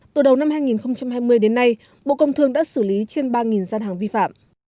từ đầu năm hai nghìn hai mươi đến nay bộ công thương đã xử lý trên ba gian hàng vi phạm